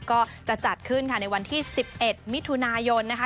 ก็จะจัดขึ้นค่ะในวันที่๑๑มิถุนายนนะคะ